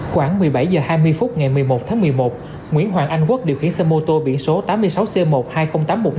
khoảng một mươi bảy h hai mươi phút ngày một mươi một tháng một mươi một nguyễn hoàng anh quốc điều khiển xe mô tô biển số tám mươi sáu c một trăm hai mươi nghìn tám trăm một mươi năm